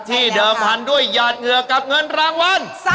เดิมพันธุ์ด้วยหยาดเหงื่อกับเงินรางวัล